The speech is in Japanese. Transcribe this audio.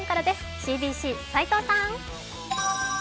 ＣＢＣ、斉藤さん。